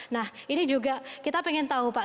nah ini juga kita pengen tahu pak